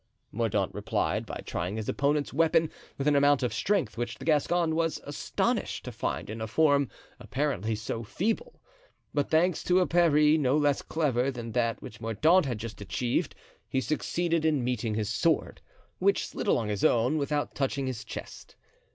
Mordaunt replied by trying his opponent's weapon with an amount of strength which the Gascon was astonished to find in a form apparently so feeble; but thanks to a parry no less clever than that which Mordaunt had just achieved, he succeeded in meeting his sword, which slid along his own without touching his chest.